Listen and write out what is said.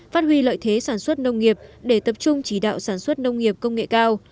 phát huy lợi thế sản xuất nông nghiệp để tập trung chỉ đạo sản xuất nông nghiệp công nghệ cao